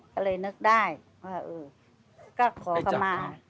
ก็เลยนึกได้ก็ขอกลัวมา